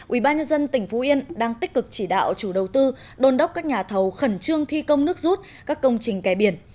ubnd tỉnh phú yên đang tích cực chỉ đạo chủ đầu tư đôn đốc các nhà thầu khẩn trương thi công nước rút các công trình kẻ biển